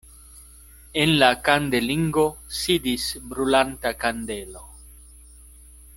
En la kandelingo sidis brulanta kandelo.